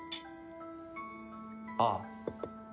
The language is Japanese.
ああ。